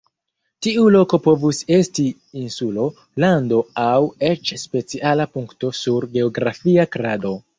Tiu loko povus esti insulo, lando aŭ eĉ speciala punkto sur geografia krado.